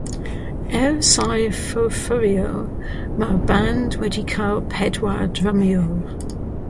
Ers ei ffurfio, mae'r band wedi cael pedwar drymiwr.